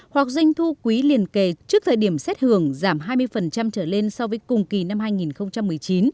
hoặc doanh thu quý liền kề trước thời điểm xét hưởng giảm hai mươi trở lên so với cùng kỳ năm hai nghìn một mươi chín